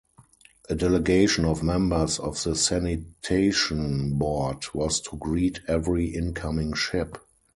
A delegation of members of the sanitation board was to greet every incoming ship.